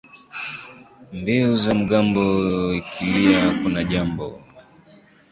Mbiu za mgambo ikilia kuna jambo